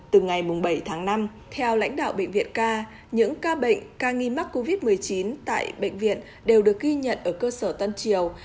từ ngày bảy tháng năm theo lãnh đạo bệnh viện ca những ca bệnh ca nghi mắc covid một mươi chín tại bệnh viện đều được ghi nhận ở cơ sở tân triều